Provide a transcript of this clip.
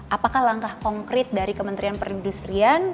apakah langkah konkret dari kementerian perindustrian